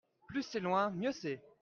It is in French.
plus c'est loin mieux c'est.